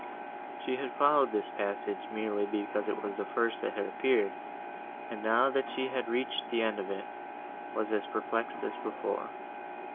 She had followed this passage, merely because it was the first that appeared, and now that she had reached the end of it, was as perplexed as before.